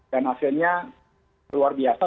dan hasilnya luar biasa